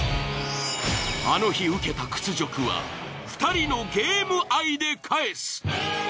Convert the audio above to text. あの日受けた屈辱は２人のゲーム愛で返す！